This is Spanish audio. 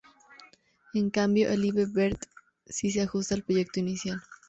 En cambio, el "Llibre Verd I" sí se ajusta al proyecto inicial.